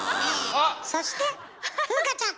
そして風花ちゃん。